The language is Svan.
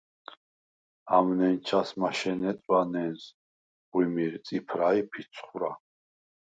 ამ ნენჩას მაშენე წვა ნენზ, ღუმირ, წიფრა ი ფიხვრა.